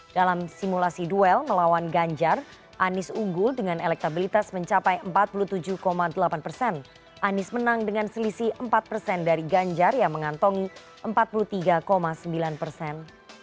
dalam simulasi duel melawan ganjar anies unggul dengan elektabilitas mencapai empat puluh tujuh delapan persen anies menang dengan selisih empat persen dari ganjar yang mengantongi empat puluh tiga sembilan persen